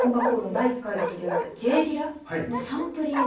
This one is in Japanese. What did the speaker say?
第１回で取り上げたＪ・ディラのサンプリング。